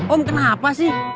om kenapa sih